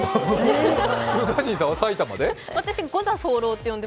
宇賀神さんは埼玉で？